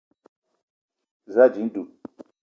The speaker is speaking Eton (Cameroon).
Za ànji dud